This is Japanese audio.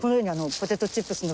ポテトチップスの。